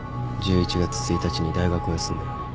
１１月１日に大学を休んでる。